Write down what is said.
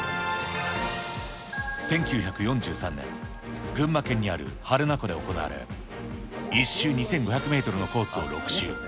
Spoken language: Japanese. １９４３年、群馬県にある榛名湖で行われ、１周２５００メートルのコースを６周。